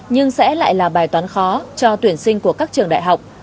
nhưng sẽ lại là bài toán khó cho tuyển sinh của các trường đại học